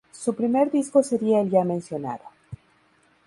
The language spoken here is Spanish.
Su primer disco sería el ya mencionado "Your Mother's Son-In-Law".